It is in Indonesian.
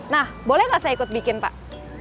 nah boleh nggak saya ikut bikin pak